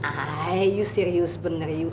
ayo lu serius bener